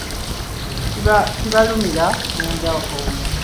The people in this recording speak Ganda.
Kibalumira munda omwo